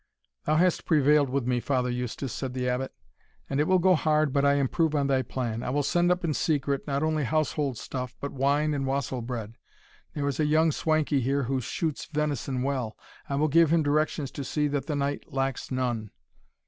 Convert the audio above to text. "Thou hast prevailed with me, Father Eustace," said the Abbot, "and it will go hard but I improve on thy plan I will send up in secret, not only household stuff, but wine and wassell bread. There is a young swankie here who shoots venison well. I will give him directions to see that the knight lacks none."